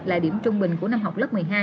là điểm trung bình của năm học lớp một mươi hai